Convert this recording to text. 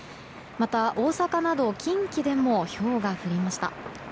また、大阪など近畿でもひょうが降りました。